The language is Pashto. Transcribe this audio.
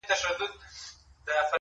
کمی نه وو د طلا د جواهرو-